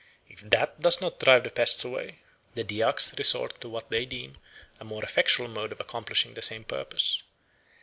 If that does not drive the pests away, the Dyaks resort to what they deem a more effectual mode of accomplishing the same purpose.